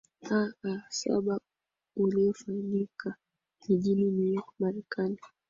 aa saba uliofanyika jijini new york marekani